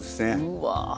うわ。